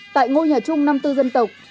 tại ngôi nhà chung năm mươi bốn dân tộc